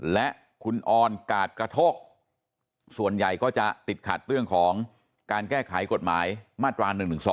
และคุณออนกาดกระโทกส่วนใหญ่ก็จะติดขัดเรื่องของการแก้ไขกฎหมายมาตรา๑๑๒